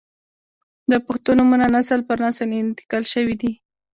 • د پښتو نومونه نسل پر نسل انتقال شوي دي.